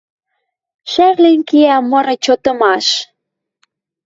Шӓрлен кеӓ мыры чотымаш.